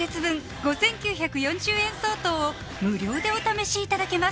５９４０円相当を無料でお試しいただけます